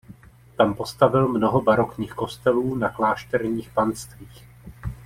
Tam postavil mnoho barokních kostelů na klášterních panstvích.